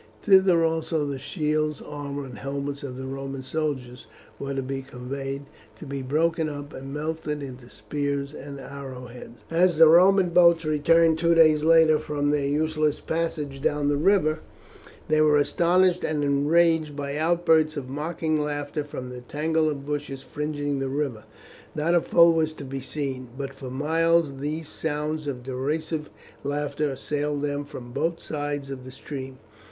Thither also the shields, armour, and helmets of the Roman soldiers were to be conveyed, to be broken up and melted into spear and arrow heads. As the Roman boats returned two days later from their useless passage down the river, they were astonished and enraged by outbursts of mocking laughter from the tangle of bushes fringing the river. Not a foe was to be seen, but for miles these sounds of derisive laughter assailed them from both sides of the stream.